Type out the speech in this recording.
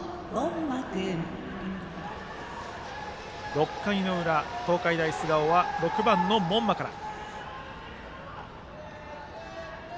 ６回の裏、東海大菅生は６番の門間から。